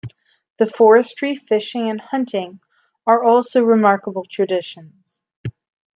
The forestry, fishing and hunting are also remarkable traditions.